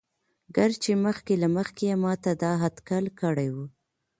ګر چې مخکې له مخکې يې ما دا اتکل کړى وو.